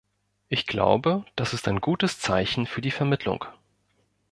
Ich glaube, das ist ein gutes Zeichen für die Vermittlung.